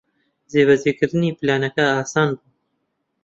جێبەجێکردنی پلانەکە ئاسان بوو.